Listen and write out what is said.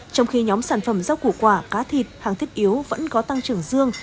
trong khi nhóm sản phẩm rau củ quả cá thịt hàng thiết yếu vẫn có tăng trưởng dương